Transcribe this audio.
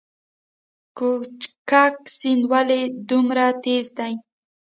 کوکچه سیند ولې دومره تیز دی؟